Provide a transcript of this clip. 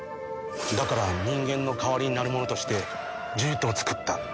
だから人間の代わりになる者として獣人を作った。